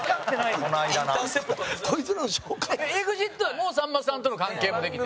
陣内：ＥＸＩＴもさんまさんとの関係もできて。